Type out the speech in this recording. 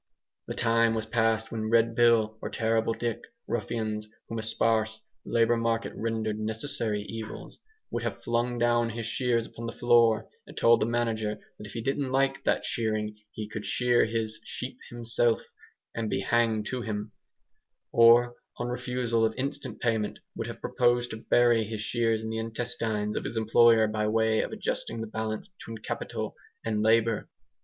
The time was passed when Red Bill or Terrible Dick (ruffians whom a sparse labour market rendered necessary evils) would have flung down his shears upon the floor and told the manager that if he didn't like that shearing he could shear his sheep himself and be hanged to him; or, on refusal of instant payment, would have proposed to bury his shears in the intestines of his employer by way of adjusting the balance between Capital and Labour.